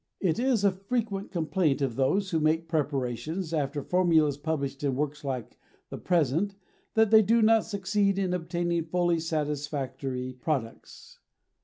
It is a frequent complaint of those who make preparations after formulas published in works like the present, that they do not succeed in obtaining fully satisfactory products.